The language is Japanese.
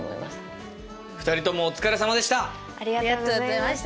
２人ともお疲れさまでした！